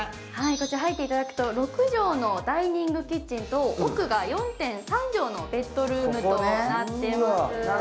こちら入っていただくと６畳のダイニングキッチンと奥が４．３畳のベッドルームとなっています。